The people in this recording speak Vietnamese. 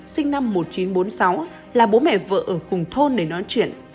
sinh năm một nghìn chín trăm bốn mươi sáu là bố mẹ vợ ở cùng thôn để nói chuyện